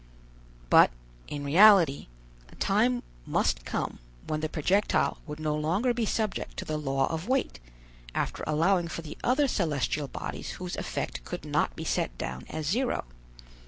But, in reality, a time must come when the projectile would no longer be subject to the law of weight, after allowing for the other celestial bodies whose effect could not be set down as zero.